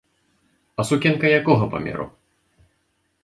А сукенка якога памеру?